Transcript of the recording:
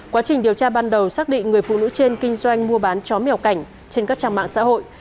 quá trình điều tra ban đầu xác định người phụ nữ trên kinh doanh mua bán chó mèo cảnh trên các trang mạng xã hội